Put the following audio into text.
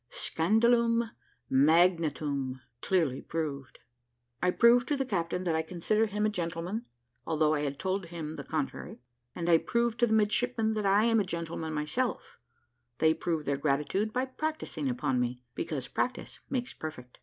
`SCANDALUM MAGNATUM' CLEARLY PROVED I PROVE TO THE CAPTAIN THAT I CONSIDER HIM A GENTLEMAN, ALTHOUGH I HAD TOLD HIM THE CONTRARY, AND I PROVE TO THE MIDSHIPMEN THAT I AM A GENTLEMAN MYSELF THEY PROVE THEIR GRATITUDE BY PRACTISING UPON ME, BECAUSE PRACTICE MAKES PERFECT.